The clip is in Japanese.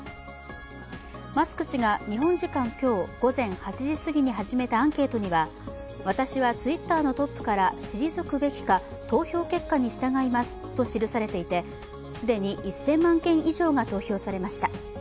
マスク氏が日本時間今日午前８時すぎに始めたアンケートには私はＴｗｉｔｔｅｒのトップから退くべきか投票結果に従いますと記されていて既に１０００万件以上が投票されました。